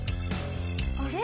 あれ？